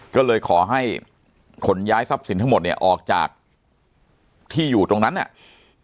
ก็เลยขอให้ขนย้ายทรัพย์สินทั้งหมดเนี่ยออกจากที่อยู่ตรงนั้นเนี่ย